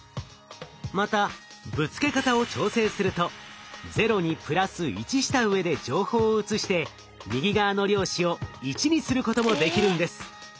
またぶつけ方を調整すると「０」に「＋１」したうえで情報を移して右側の量子を「１」にすることもできるんです。